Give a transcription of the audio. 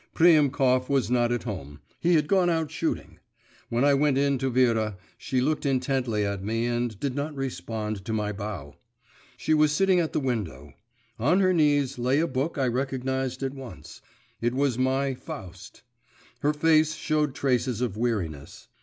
Priemkov was not at home, he had gone out shooting. When I went in to Vera, she looked intently at me and did not respond to my bow. She was sitting at the window; on her knees lay a book I recognised at once; it was my Faust. Her face showed traces of weariness.